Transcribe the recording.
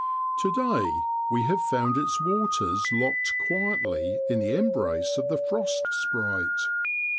To day we have found its waters locked quietly in the embrace of the frost sprite.